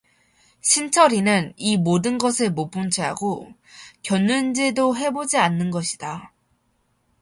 신철이는 이 모든 것을 못 본체하고 곁눈질도 해보지 않는 것이다.